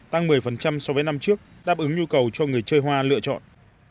tăng một mươi so với năm trước đáp ứng nhu cầu cho người chơi hoa lựa chọn